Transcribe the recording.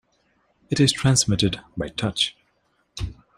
It is transmitted by touch.